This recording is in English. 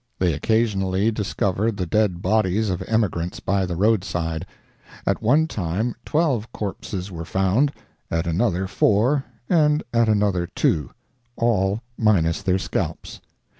They occasionally discovered the dead bodies of emigrants by the roadside; at one time twelve corpses were found, at another four, and at another two—all minus their scalps.